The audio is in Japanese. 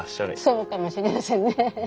そうかもしれませんね。